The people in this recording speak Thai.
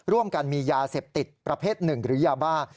ร่วมกันมียาเสพติดประเภทหนึ่งหรือยาบ้า